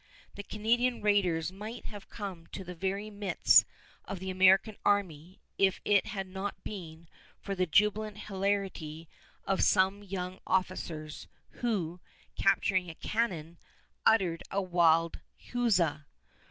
The Canadian raiders might have come to the very midst of the American army if it had not been for the jubilant hilarity of some young officers, who, capturing a cannon, uttered a wild huzza.